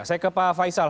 saya ke pak faisal